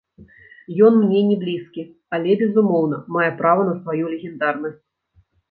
Ён мне не блізкі, але, безумоўна, мае права на сваю легендарнасць.